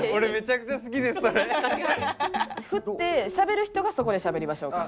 振ってしゃべる人がそこでしゃべりましょうか。